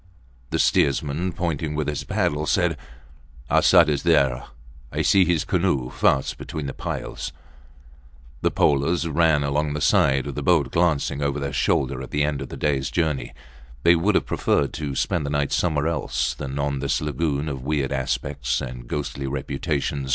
The steersman, pointing with his paddle, said, Arsat is there. I see his canoe fast between the piles. The polers ran along the sides of the boat glancing over their shoulders at the end of the days journey. They would have preferred to spend the night somewhere else than on this lagoon of weird aspect and ghostly reputation.